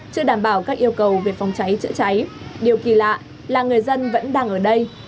chưa đảm bảo các yêu cầu về phòng cháy chữa cháy điều kỳ lạ là người dân vẫn đang ở đây